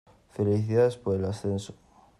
¡Felicidades por el ascenso!